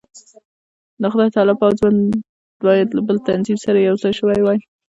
د خدای تعالی پوځ باید له بل تنظیم سره یو ځای شوی وای.